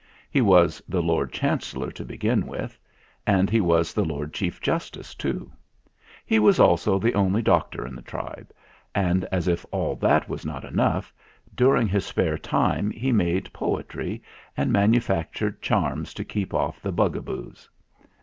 He was the Lord Chancellor to begin with, and he was the Lord Chief Justice too. He was also the only doctor in the tribe; and, as if all that was not enough, during his spare time he made poetry and manufactured charms to keep off the Bugaboos.